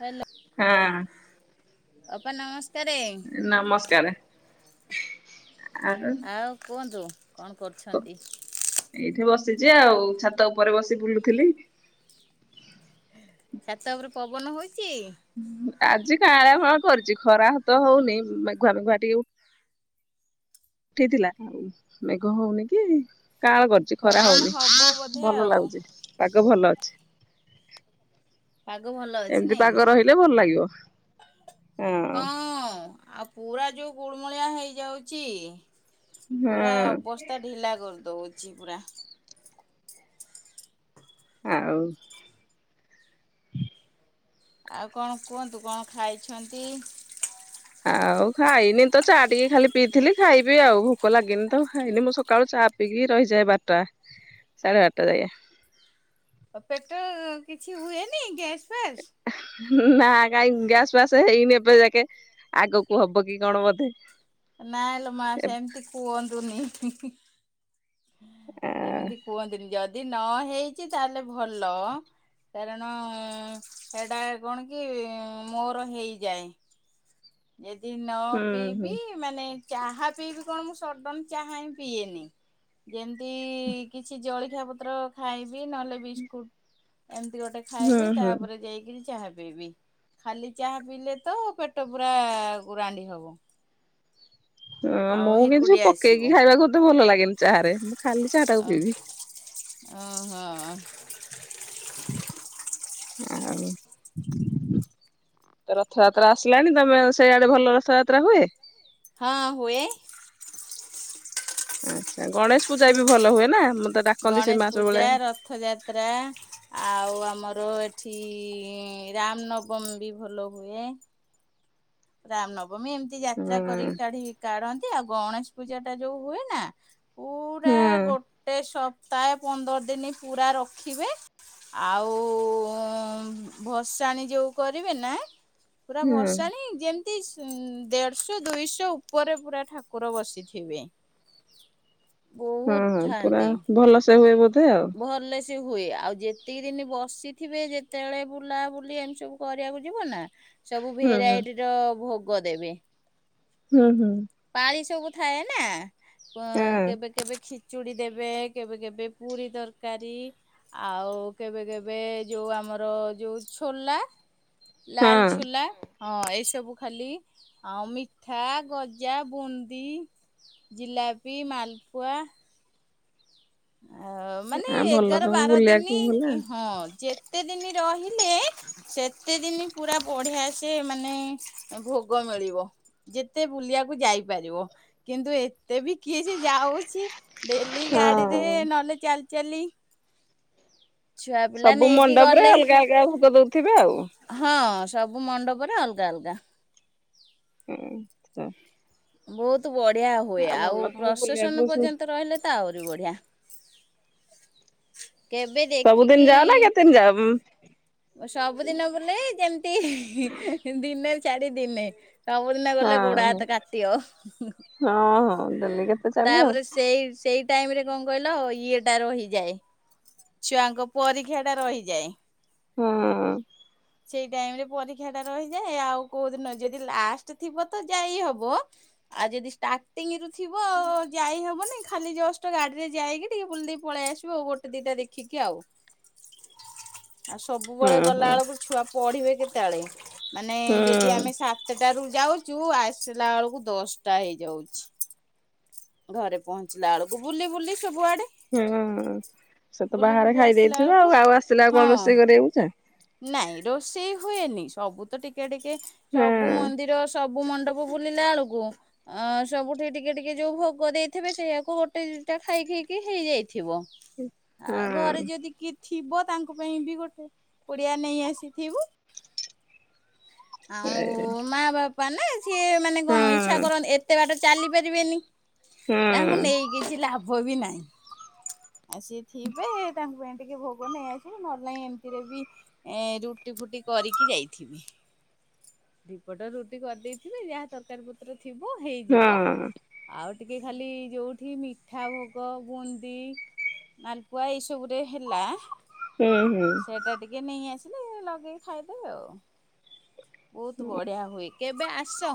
Hello. ହଁ। ଅପା ନମସ୍ ନମସ୍କାର ଆଉ କୁହନ୍ତୁ କଣ କରୁଛନ୍ତି? ଏଇଠି ବସିଛି ଆଉ ଛାତ ଉପରେ ବସି ବୁଲୁଥିଲି। ଛାତ ଉପରେ ପବନ ହଉଛି? ଆଜି କାଆଁଳା ପଗ କରିଛି ଖରା ତ ହଉନି ମେଘୁଆ ମେଘୁଆ ଟିକେ ଉଠେଇଥିଲା ମେଘ ହଉନି କି କାଆଁଳ କ କିଛି ଖରା ପବନ ହଉନି ହବ ବୋଧେ ଭଲ ଆଉ। ଲାଗୁଛି ପାଗ ଭଲ ଅଛି। ପାଗ ଭଲ ଅଛି ଏମିତି ନାଇଁ ପାଗ ରହିଲେ ଭଲ ଲାଗିବ ହଁ ହଁ ଆଉ ପୁରା ଯୋଉ ଗୁଳମୂଳିଆ ହେଇଯାଉଛି ପୁରା ହଁ ଅବସ୍ ତା ଢିଲା କରିଦଉଛି ପୁରା। ଆଉ ଆଉ କଣ କୁହନ୍ତୁ କଣ ଖାଇଛନ୍ତି? ଆଉ ଖାଇନି ତ ଚା ଟିକେ ଖାଲି ପିଇଥିଲି ଖାଇବି ଆଉ ଭୋକ ଲାଗିନି ତ ଖାଇନି ମୁଁ ସକାଳୁ ଚା ପିକି ରହିଯାଏ ବାରଟା ସାଢ଼େ ବାରଟା ଯାଏା ଆଉ ପେଟ କିଛି ହୁଏନି ଗ୍ୟାସ୍ ଫ୍ୟାସ୍। ନା କାଇ ଗାସ ବାସ ହେଇନି ଏପେ ଯାକେ। ଆଗକୁ ହବ କି କଣ ବୋଧେ ନାଇଁଲୋ ମା ଏ ସେମିତି କୁହନ୍ତୁନି। ଆ ସେମିତି କୁହନ୍ତୁନି ଯଦି ନ ହେଇଛି ତାହେଲେ ଭଲ। କାରଣ ସେଟା କଣ କି ମୋର ହେଇଯାଏ। ଯଦି ନ ହୁଁ ହୁଁ। ପିଇବି ମାନେ ଚାହା ପିଇବି କଣ ମୁଁ ସଡନ ଚାହା ହିଁ ପିଏନି। ଯେମତି କିଛି ଜଳଖିଆ ପତ୍ର ଖାଇବି ନହେଲେ ବିସ୍କୁଟ ଏମିତି ଗୋଟେ ହୁଁ ଖାଇବି ହୁଁ ତାପରେ ଯାଇକିରି ଚାହା ପିଇବି। ଖାଲି ଚାହା ପିଇଲେ ତ ପେଟ ପୂରା ଗୁରାଣ୍ଡି ହବ। ହଁ ଆଉ ମୁଁ କିଛି ହେକୁଟିଆ ପକେଇକି ଆସିବ ଖାଇବାକୁ ଏତେ ଭଲ ଲାଗେନି ଚାହାରେ ମୁଁ ଖାଲି ଚାହା ଅ ଟାକୁ ପିବି। ଓହୋ। [inaudible] ଆଉ ରଥଯାତ୍ରା ଆସିଲାଣି ତମେ ସେଇଆଡେ ଭଲ ରଥଯାତ୍ରା ହୁଏ? ହଁ ହୁଏ। ଆଚ୍ଛା ଗଣେଶ ପୂଜା ଛୁ ବି ଭଲ ହୁଏ ନା ମୁଁତ ଡାକନ୍ତି ଗଣେଶ ସୀମା ସବୁ ପୂଜା ବେଳେ। ରଥଯାତ୍ରା ଆଉ ଆମର ଏଠି ରାମନବ ବମ୍ବ ଭଲ ହୁଏ। ରାମନବମୀ ଏମିତି ଯାତ୍ରା ହୁଁ କରିକି କାଢି କାଢନ୍ତି ଆଉ ଗଣେଶ ପୂଜା ଟା ଯୋଉ ହୁଏ ନା ହୁଁ ପୁରା ଗୋଟେ ସପ୍ତାହେ ପନ୍ଦର ଦିନ ପୂରା ରଖିବେ। ଆଉ ଭସାଣି ଯେଉଁ କରିବେ ନା ପୁରା ହୁଁ ଭସାଣିି ଯେମତି ସୁଁନ ଦେଢଶହ ଦୁଇଶହ ଉପରେ ପୁରା ଠାକୁର ବସିଥିବେ। ହୁଁ ବହୁତ ହଁ ପୁରା ଥାଆନ୍ତି ଭଲସେ ହୁଏ ବୋଧେ ଆଉ। ଭଲେ ସେ ହୁଏ ଆଉ ଯେତିକି ଦିନ ବସିଥିବେ ଯେତେବେଳେ ବୁଲାବୁଲି ଏମତି ସବୁ କରିବାକୁ ଯିବ ନା ସବୁ ହୁଁ ହୁଁ ଭେରାଇଟିର ଭୋଗ ଦେବେ। ହୁଁ ହୁଁ। ପାଳି ସବୁ ଥାଏ ନା ପ ହୁଁ କେବେ କେବେ ଖୀ ଚୁଡ଼ି ଦେବେ କେବେ କେବେ ପୁରୀ ତରକାରୀ। ଆଉ କେବେ କେବେ ଯୋଉ ଆମର ଯୋଉ ଛୋଲା ଲାଲ ହଁ ଛୋଲା ହଁ ଏବ ସବୁ ଖାଲି ଆଉ ମିଠା, ଗଜା, ବୁନ୍ଦି ଜିଲାପି, ମାଲପୁଆ ଆଉ ମାନେ ହଁ ଭଲ ଏଗାର ତମକୁ ବାର ବୁଲିବାକୁ ଭଲ ଦିନି ହଁ ଯେ ତେ ଦିନି ରହିଲେ ସେତେ ଦିନି ପୁରା ବଢିଆ ସେ ମାନେ ଭୋଗ ମିଳିବ। ଯେତେ ବୁଲିବାକୁ ଯାଇପାରିବ କିନ୍ତୁ ଏତେ ବି କିଏ ସେ ଯାଉଛି ଡେଲି ଗାଡ଼ି ରେ ହଁ। ନହେଲେ ଚାଲି ଚାଲି। ଛୁଆ ପିଲା ସବୁ ନେଇକି ମଣ୍ଡପ ରେ ଗଲେ। ଅଲଗା ଅଲଗା ଭୋଗ ଦଉଥିବେ ଆଉ। ହଁ ସବୁ ମଣ୍ଡପରେ ଅଲଗା ଅଲଗା। [unintelligible] ବହୁତୂ ବଢିଆ ହୁଏ ଆଉ ଭଲ ତମକୁ ବୁଲିବାକୁ ପ୍ରଶସନ ସୁ ପର୍ଯ୍ୟନ୍ତ ରହିଲେ ତ ଆହୁରି ବଢିଆ। କେବେ ସବୁଦିନ ଯାଅ ନା କେତେ ଦେଖିକି ଦିନ ଯାଅମ୍? ସବୁଦିନ ବୋଲେ ଯେମିତି ଦିନେ ଛାଡ଼ି ଦିନେ। ସବୁଦିନ ହଁ ଗଲେ ଗୋଡା ହାତ କାଟିବ। ହଁ ହଁ ଡେଲି କେତେ ଚାଲିବ ତାପରେ ସେଇ ସେଇ ଟାଇମ ରେ କଣ କହିଲ ଇଏ ଟା ରହିଯାଏ। ଛୁଆଙ୍କ ପରୀକ୍ଷା ଟା ରହିଯାଏ। ହୁଁ। ସେଇ ଟାଇମ ରେ ପରୀକ୍ଷା ଟା ରହିଯାଏ ଆଉ କୋଉଦିନ ଯଦି ଲାଷ୍ଟ ଥିବ ତ ଯାଇ ହବ। ଆଉ ଯଦି ଷ୍ଟାର୍ଟିଂ ରୁଥିବ ଯାଇ ହବନି ଖାଲି ଜଷ୍ଟ ଗାଡିରେ ଯାଇକି ଟିକେ ବୁଲ ଦେଇେ ପଳେଇ ଆସ ଉ ଗୋଟେ ଦିଟା ଦେଖିକି ଆଉ। ଆଉ ହୁଁ ସବୁବେଳେ ହୁଁ। ଗଲାବେେଳକୁ ଛୁଆ ପଢିବେ କେତେବେଳେ ମାନେ ଯଦି ଆମେ ହୁଁ ସା ଚାଟ ରୁ ଯାଉଛୁ ଆସିଲା ବେଳକୁ ଦଶଟା ହେଇଯାଉଛି। ଘରେ ପହଞ୍ଚିଲା ବେଳକୁ ବୁଲି ବୁଲି ସବୁଆଡେ ହୁଁ ସେ ତ ବୁଲି ବାହାରେ ବୁଲି ଖାଇ ଆସିଲା ଦେଇଥିବ ବେଳକୁ ଆଉ ଆଉ ଆସିଲା ଆଉ କଣ ହଁ ରୋଷେଇ କରିବାକୁଛ। ନାଇଁ ରୋଷେଇ ହୁଏନି ସବୁ ତ ଟିକେ ଟିକେ ସବୁ ମନ୍ଦିର ସବୁ ମଣ୍ଡପ ବୁଲିଲା ବେଳକୁ ଅ ସବୁଠିକେ ଟିକେ ଟିକେ ଯୋଉ ଭୋଗ ଦେଇଥିବେ ସେଇଆକୁ ଗୋଟେ ଦିଟା ଖାଇ ଖେଇକି ହେଇଯାଇଥିବ। ଆଉ ଘରେ ହୁଁ। ଯଦି କିଏ ଥିବ ତାଙ୍କ ପାଇଁ ବି ଗୋଟେ ପୁଡିଆ ନେଇ ଆସିଥିବୁ ଆଉ ସେଇ ମା ବାପ୍ ପା ନା ସିଏ ମାନେ ହୁଁ କଣ ଇଚଛା କରନ୍ତି ଏତେ ବାଟ ଚାଲିପାରିବେନି ତାଙ୍କୁ ହୁଁ ନେଇକି କିଛି ଲାଭ ବି ନାହିଁ ଆଉ ସିଏ ଥିବେ ତାଙ୍କ ପାଇଁ ଟିକେ ଭୋଗ ନେଇ ଆସିବୁ ନହେଲୋଇ ଏମିତିରେ ବି ଏଁ ରୁଟି ଫୁଟି କରିକି ଯାଇଥିବି ଦିପଟ ରୁଟି କରିଦେଇଥିବେ ଯାହା ତରକାରି ପତ୍ର ଥିବ ହେଇଯିବ। ହଁ ଆଉ ଟିକେ ଖାଲି ଯୋଉଠି ମିଠା ଭୋଗ ବୁନ୍ଦି ମାଲପୁଆ ଏଇ ସବୁ ରେ ହେଲା ହୁଁ ହୁଁ। ସେଟା ଟିକେ ନେଇ ଆସିଲେ ଲଗେଇକି ଖାଇଦେଉ ଆଉ। ବହୁତ ବଢିଆ ହୁଏ। କେବେ ଆସ?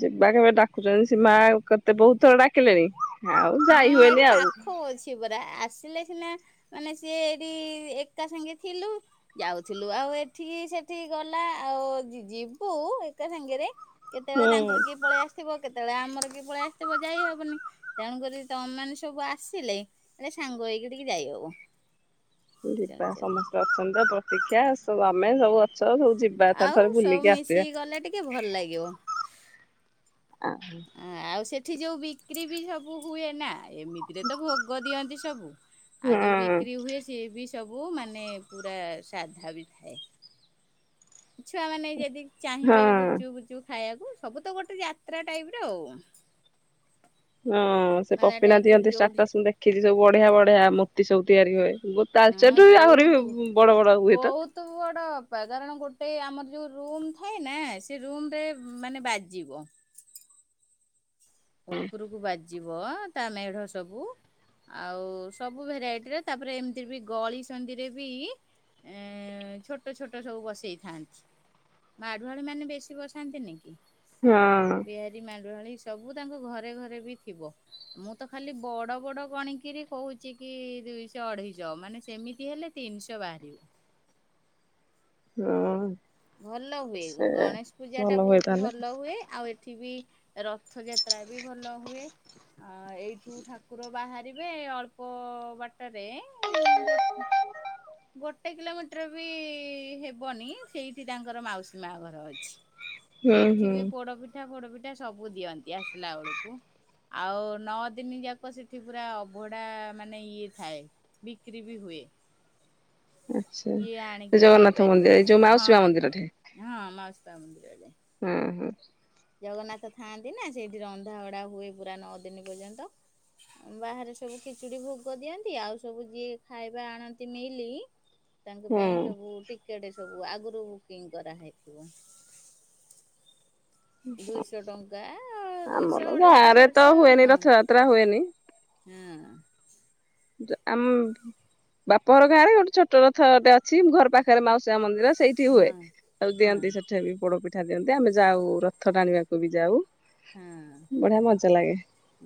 ଯିବା କେବେ ଡାକୁଛନ୍ତି ସିମା କେତେ ବହୁତ ଥର ଡାକିଲେଣି। ଆଉ ଯାଇ ହୁଏନି ଆଉ। ସେଇପରା ଆସିଲେ ସିନା ମାନେ ସିଏ ଏଠି ଏକା ସାଙ୍ଗେ ଥିଲୁ ଯାଉଥିଲୁ ଆଉ ଏଠିକି ସେଠିକି ଗଲା ଆଉ ଯିବୁ ଏକା ସାଙ୍ଗରେ କେତେବେଳେ ହୁଁ। ତାଙ୍କର କିଏ ପଳେଇ ଆସିଥିବ କେତେବେଳେ ଆମର କିଏ ପଳେଇ ଆସିଥିବ ଯାଇ ହବନି। ତେଣୁକରିି ତମେମାନେ ସବୁ ଆସିଲେ ହେଲେ ସାଙ୍ଗ ହେଇକି ଟିକେ ଯାଇହବ। ଯିବା ସମସ୍ତେ ଅଛନ୍ତି ତ ପ୍ରତୀକ୍ଷା ସବୁ ଆମେ ସବୁ ଅ ସବୁ ଯିବା ଥରେ ଆଉ ଥରେ ସବୁ ବୁଲିକି ଆସିବା। ମିଶିକି ଗଲେ ଟିକେ ଭଲ ଲାଗିବ। ଆ ଆଉ ସେଠି ଯୋଉ ବିକ୍ରି ବି ସବୁ ହୁଏ ନା ଏମିତିରେ ତ ଭୋଗ ଦିଅନ୍ତି ସବୁ ହଁ ଆଉ ଯୋଉ ବିକ୍ରି ହୁଏ ସିଏ ବି ସବୁ ମାନେ ପୁରା ସାଧା ବି ଥାଏ। ଛୁଆ ମାନେ ଯଦି ଚାହିଁବେ ବି ହଁ। ଗୁପଚୁପ ଫୁପଚୁପ୍ ଖାଇବାକୁ ସବୁ ତ ଗୋଟେ ଯାତ୍ରା ଟାଇପ ର ଆଉ। ହଁ ସେ ମେଳା ପପିନା ଟାଇପ୍ ର ଦିଅନ୍ତି ଯୋଉଠି ଷ୍ଟାଟସ ମୁ ଦେଖିଚି ସବୁ ବଢିଆ ବଢିଆ ମୂର୍ତ୍ତି ସବୁ ତିଆରି ହୁଏ। ହଁ ତାଳଚେରଠୁ ବି ଆହୁରି ବଡ ବଡ ହୁଏତ? ତୁ ବଡ ଅପା କାରଣ ଗୋଟେ ଆମର ଯୋଉ ରୁମ୍ ଥାଏ ନା ସେ ରୁମ ରେ ମାନେ ବାଜିବ ଉପରକୁ ବାଜିବ ତା ମେଢ ସବୁ ଆଉ ସବୁ ଭେରାଇଟିରେ ତାପରେ ଏମିତି ବି ଗଳି ସନ୍ଧି ରେ ବି ଏ ଛୋଟ ଛୋଟ ସବୁ ବସେଇଥାନ୍ତି। ମାଢୁଆଳି ମାନେ ବେଶୀ ବସାନ୍ତି ନି କି ହଁ ବିହାରୀ ମାଢୁଆଳି ସବୁ ତାଙ୍କ ଘରେ ଘରେ ବି ଥିବ। ମୁଁ ତ ଖାଲି ବଡ ବଡ ଗଣିକିରି କହୁଚି କି ଦୁଇଶହ ଅଢେଇଶହ ମାନେ ସେମିତି ହେଲେ ତିନିଶହ ବାହାରିବ। ହଁ। ଭଲ ହୁଏ ସେ ଗଣେଶ ପୂଜା ଭଲ ଟା ହୁଏ ବହୁତ ତାହେଲେ ଭଲ ହୁଏ ଆଉ ଏ ଏଠିବି ରଥ ଯାତ୍ରା ବି ଭଲ ହୁଏ। ଅ ଏଇଠୁ ଠାକୁର ବାହାରିବେ ଅଳ୍ପ ବାଟରେ ଗୋ ଗୋଟେ କିଲୋମିଟର ବି ହେବନି ସେଇଠି ତାଙ୍କର ମାଉସୀ ମା ଘର ଅଛି। ହୁଁ ସେଠି ହୁଁ ବି ପୋଡପିଠା ଫୋଡ ପିଠା ସବୁ ଦିଅନ୍ତି ଆସିଲା ବେଳକୁ। ଆଉ ନଅ ଦିନି ଯାକ ସେଠି ପୁରା ଅଭଢା ମାନେ ଇଏ ଥାଏ। ବିକ୍ରି ବି ହୁଏ। ଆଚ୍ଛା। ଯିଏ ସେ ଆଣିକି ଜଗନ୍ନାଥ ମନ୍ଦିର ଖାଇପାରିବ ଏଇ ଯୋଉ ଘରେ ମାଉସୀ ହଁ ମା ମନ୍ଦିରଠେ ହଁ ମାଉସିତା ମନ୍ଦିରରେ। ହୁଁ ହୁଁ। ଜଗନ୍ନାଥ ଥାଆନ୍ତି ନା ସେଇଠି ରନ୍ଧା ବଢା ହୁଏ ପୁରା ନଅ ଦିନ ପର୍ଯ୍ୟନ୍ତ। ବାହାରେ ସବୁ ଖିଚୁଡି ଭୋଗ ଦିଅନ୍ତି ଆଉ ସବୁ ଯିଏ ଖାଇବା ଆଣନ୍ତି ମିଲ ତାଙ୍କ ପାଇଁ ହୁଁ ସବୁ ଟିକେଟ ସବୁ ଆଗରୁ ବୁକିଂ କରାହେଇଥିବ। ଦୁଇଶହ ଟଙ୍କା ଆମର ଦୁଇଶହ ଅଢେଇଶହ ଗାଁରେ ତ ଦେଢଶହ ହୁଏନି ରଥଯାତ୍ରା ହୁଏନି ହଁ। ହୁଁ। ଯା ଆମ ବାପ ଘର ଗାଁରେ ଗୋଟେ ଛୋଟ ରଥଟେ ଅଛି ଘର ପାଖରେ ମାଉସୀମା ମନ୍ଦିର ସେଇଠି ହୁଏ ହଁ ଆଉ ହଁ ଦିଅନ୍ତି ସେଠି ବି ପୋଡପିଠା ଦିଅନ୍ତି ଆମେ ଯାଉ ରଥ ଟାଣିବାକୁ ବି ଯାଉ। ହଁ। ବଢିଆ ମଜା ଲାଗେ।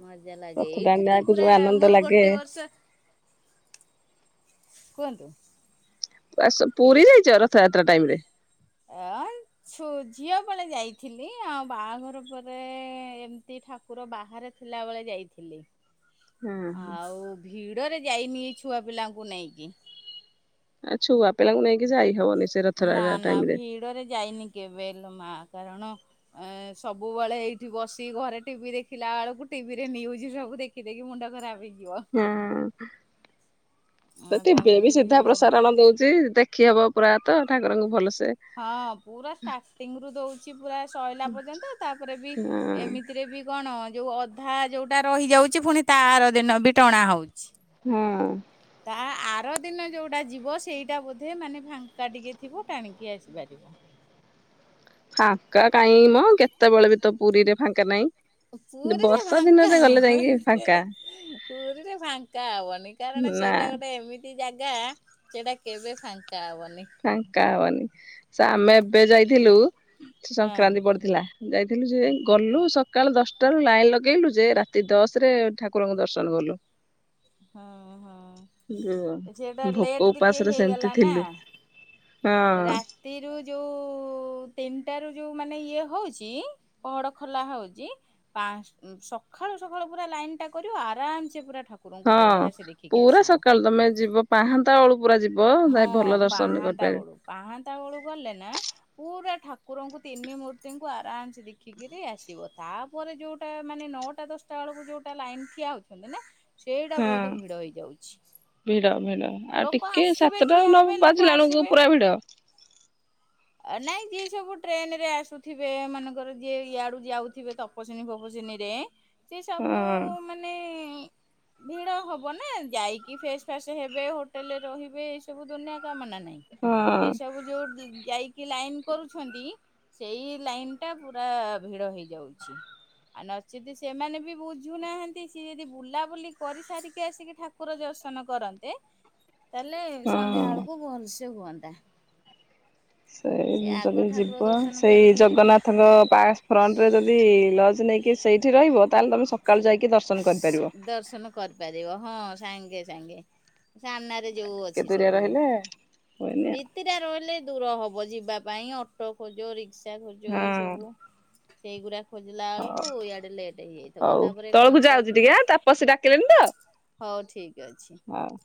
ମଜା ଲାଗେ ରଥ ଏଇଠି ତ ଟାଣିବାକୁ ପୁରା ଯୋଉ ଆନନ୍ଦ ମୋର ଲାଗେ। ଗୋଟେ ବର୍ଷ କୁହନ୍ତୁ? ଆସ ପୁରୀ ଯାଇଚ ରଥଯାତ୍ରା ଟାଇମ ରେ? ଆଁ ଛୁ ଝିଅ ବେଳେ ଯାଇଥିଲି ଆଉ ବାହାଘର ପରେ ଏମ୍ ତି ଠାକୁ କୁର ବାହାରେ ଥିଲାବେଳେ ଯାଇଥିଲି। ହଁ ଆଉ ଭିଡରେ ଯାଇନି ଛୁଆ ପିଲାଙ୍କୁ ନେଇକି। ଆଉ ଛୁଆ ପିଲାଙ୍କୁ ନେଇକି ଯାଇ ହବନି। ସେ ନା ରଥଯାତ୍ରା ନା ଟାଇମ ରେ। ଭିଡରେ ଯାଇନି କେବେଲ ମା କାରଣ ଏ ସବୁବେଳେ ଏଇଠି ବସି ଘରେ ଟିଭି ଦେଖିଲା ବେଳକୁ ଟିଭି ରେ ନ୍ୟୁଜ ସବୁ ଦେଖ ଖିଦେଇକି ମୁଣ୍ଡ ଖରାବେ। ହଁ [unintelligible] ତେଣୁକରି ସିଧା ଭିଡରେ ପ୍ରସାରଣ ଦଉଛି ଦେଖ ଖି ହବ ପୁରା ତ ଠାକୁରଙ୍କୁ ଭଲସେ। ହଁ ପୁରା ଷ୍ଟାର୍ଟିଂ ରୁ ଦଉଛି ପୁରା ସୋଇଲା ପର୍ଯ୍ୟନ୍ତ ତାପରେ ବି ହଁ ଏମିତିରେ ବି କଣ ଯୋଉ ଅଧା ଯୋଉଟା ରହିଯାଉଛି ପୁଣି ତା ଆର ଦିନ ବି ଟଣା ହଉଛି। ହଁ। ତା ଆର ଦିନ ଯୋଉଟା ଯିବ ସେଇଟା ବୋଧେ ମାନେ ଫାଙ୍କା ଟିକେ ଥିବ ଟାଣିକି ଆସିପାରିବ। ଫାଙ୍କା କାଇହିଁ ମ କେତେବେଳେ ବି ତ ପୁରୀରେ ଫାଙ୍କା ନାହିଁ। ପୁରୀରେ ବର୍ଷା ଫାଙ୍କା ଦିନରେ ଗଲେ ଯାଇକି ହବନି ଫାଙ୍କା ପୁରୀରେ ଫାଙ୍କା ହବନି। କାରଣ ନା ସେଇଟା ଗୋଟେ ଏମିତି ଜାଗା ସେଇଟା କେବେ ଫାଙ୍କା ହବନି। ଫାଙ୍କା ହବନି ସେ ଆମେ ଏବେ ଯାଇଥିଲୁ ସେ ହଁ ସଂକ୍ରାନ୍ତି ପଡିଥିଲା। ଯାଇଥିଲୁ ଯେ ଗଲୁ ସକାଳୁ ଦଶଟାରୁ ଲାଇନ ଲଗେଇଲୁ ଯେ ରାତି ଦଶରେ ଠାକୁରଙ୍କୁ ଦର୍ଶନ ଗଲୁ। ହଁ ହଁ ସେଟା ଭୋକ ଲେଟ ଟିକେ ଉପାସରେ ସେମିତି ହେଇଗଲା ନା। ଥିଲୁ ହଁ ରାତିରୁ ଯୋଉ ତିନିଟା ରୁ ଯୋଉ ମାନେ ଇଏ ହଉଛି। ପହଡ ଖୋଲା ହଉଛି। ପା ଉ ସକାଳୁ ସକାଳୁ ପୁରା ଲାଇନ ଟା କରିବ ଆରାମସ ପୁରା ଠକ ହଁ ପୁରା ସକାଳୁ ତମେ ଯିବ ପାହାନ୍ତା ବେଳୁକୁ ପୁରା ଯିବ ହଁ ଯାଇ ଭଲ ଦର୍ଶନ ପାହାନ୍ତା କରିପାରିବେ। ବେଳୁ ପାହାନ୍ତା ବେଳୁ ଗଲେ ନା ପୁରା ଠାକୁରଙ୍କୁ ତିନି ମୂର୍ତ୍ତିଙ୍କୁ ଆରାମସ ଦେଖିକିରି ଆସିବ ତାପରେ ଯୋଉଟା ମାନେ ନଅ ଟା ଦଶଟା ବେଳକୁ ଯୋଉଟା ଲାଇନ ଠିଆ ହେଉଛନ୍ତି ନା ସେଇଟା ବହୁତ ହଁ ଭିଡ଼ ହେଇଯାଉଛି ଭିଡ ଭିଡ ଆଉ ଲୋକ ଆ ଟିକେ ସିବେ ସାତଟା ଠିଆ ନ ହେବେ ଲୋକ ବାଜିଲା ବେଳକୁ ଆସିବେ। ପୁରା ଭିଡ ଆ ନାଇଁ ଯିଏ ସବୁ ଟ୍ରେନ ରେ ଆସୁଥିବେ ଏ ମାନଙ୍କର ଯିଏ ଇଆଡୁ ଯାଉଥିବେ ତ। [unintelligible] ରେ ସେ ହଁ ସବୁ ମାନେ ନେ ଭିଡ଼ ହବ ନା ଯାଇକି ଫ୍ରେଶ ଫ୍ରାଶ ହେବେ ହୋଟେଲରେ। ରହିବେ ଏଇ ସବୁ ଦୁନିଆ କାମନା ନାଇଁ ହଁ ସେ ସବୁ ଯୋଉ ଦି ଯାଇକି ଲାଇନ୍ କରୁଛନ୍ତି। ସେଇ ଲାଇନ ଟା ପୁରା ଭିଡ଼ ହେଇଯାଉଛି। ଆଉ ନଚିତ ସେମାନେ ବି ବୁଝୁନାହାନ୍ତି ସିଏ ଯଦି ବୁଲାବୁଲି କରି ସାରିକି ଆସିକି ଠା କୁର ଦର୍ଶନ କରନ୍ତେ। ତାହେଲେ ସନ୍ଧ୍ୟା ହଁ। ବେଳକୁ ଭଲସେ ହୁଅନ୍ତା। ସେ ସିଏ ଯଦି ଆଗ ଠାକୁର ଯିବ ଦର୍ଶନ ସେଇ କରିକି ଯିବେ ଜଗନ୍ନାଥଙ୍କ ପାସ ଫ୍ରଣ୍ଟରେ ଯଦି ଲଜ୍ ନେଇକି ସେଇଠି ରହିବ ତାହେଲେ ତମେ ସକାଳୁ ଯାଇକି ଦର୍ଶନ କରିପାରିବ। ଦର୍ଶନ କରିପାରିବ ହଁ ସାଙ୍ଗେ ସାଙ୍ଗେ ସାମ୍ନାରେ ଯୋଉ ଟିକେ ଅଛି ଦୂରିଆ ସବୁ ରହିଲେ ହୁଏନି ବି ରାତିଟା ରହିଲେ ଦୂର ହବ ଯିବା ପାଇଁ ଅଟୋ ଖୋଜ, ରିକ୍ସା ଖୋଜ ଏଇ ଆଉ ସବୁ। ସେଇଗୁରା ଖୋଜିଲା ହଁ ହଉ ବେଳକୁ ଇଆଡେ ଲେଟ୍ ହେଇଯାଇଥିବ ହଉ ତାପରେ ତଳକୁ ଯାଉଛି କଣ୍ଟ୍ରାକ୍ଟ ଟିକେ ତାପସ ଡାକିଲେଣି ତ ହଉ ଠିକ୍ ଅଛି। ହଉ।